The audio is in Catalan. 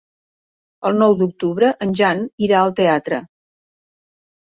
El nou d'octubre en Jan irà al teatre.